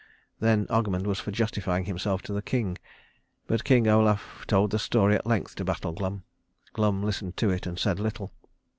Then Ogmund was for justifying himself to the king; but King Olaf told the story at length to Battle Glum. Glum listened to it, and said little.